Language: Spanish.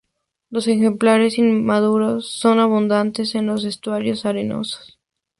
Los ejemplares inmaduros son abundantes en los estuarios arenosos.